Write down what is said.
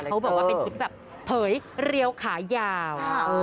เขาบอกว่าเป็นชุดแบบเผยเรียวขายาว